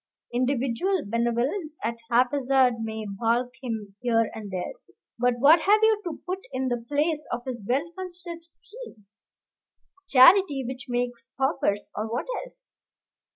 Individual benevolence at haphazard may balk him here and there, but what have you to put in the place of his well considered scheme? Charity which makes paupers? or what else?